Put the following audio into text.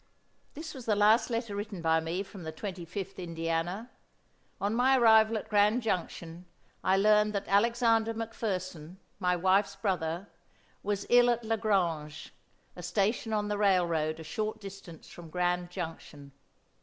This was the last letter written by me from the Twenty fifth Indiana. On my arrival at Grand Junction I learned that Alexander McFerson, my wife's brother, was ill at Lagrange, a station on the railroad a short distance from Grand Junction.